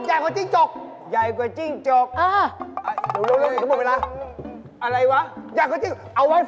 ใหญ่กว่าจิ้งจกเอาไว้เฝ้าบ้านเอาไว้เฝ้าบ้านเออห่าวได้ไหม